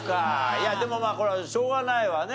いやでもまあこれはしょうがないわね。